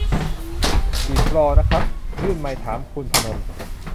กี่ฟลอร์นะครับ ยื่นไมค์ถามคุณพนล